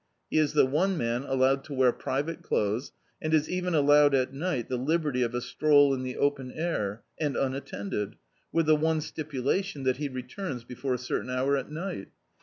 He is the one man allowed to wear private clothes, and is even allowed at night the liberty of a stroll in the open air, and unattended, with the one stipulation tfiat he returns before a certain hour at ni^t.